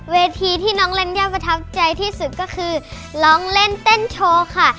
เวทีที่น้องลัญญาประทับใจที่สุดก็คือร้องเล่นเต้นโชว์ค่ะ